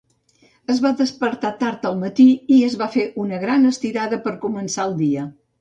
Es va despertar tard al matí i es va fer una gran estirada per començar el dia.